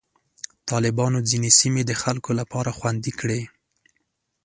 طالبانو ځینې سیمې د خلکو لپاره خوندي کړې.